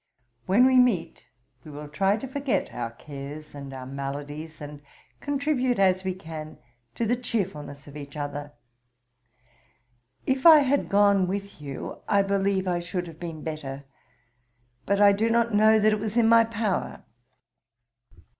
When we meet, we will try to forget our cares and our maladies, and contribute, as we can, to the chearfulness of each other. If I had gone with you, I believe I should have been better; but I do not know that it was in my power.